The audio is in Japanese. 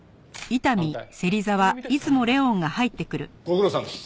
ご苦労さんです。